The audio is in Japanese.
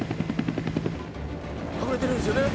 「隠れてるんですよね」